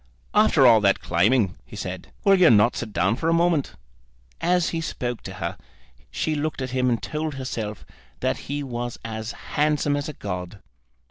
"After all that climbing," he said, "will you not sit down for a moment?" As he spoke to her she looked at him and told herself that he was as handsome as a god.